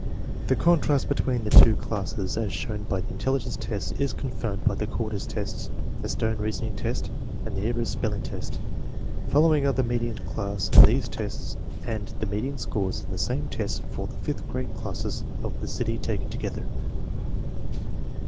The contrast between the two classes as shown by the intel ligence tests is confirmed by the Courtis tests, the Stone Reasoning test, and the Ayres Spelling lest. Following are the median scores of each class in these tests and the median scores in the same tests for all the fifth grade classes of the city taken together.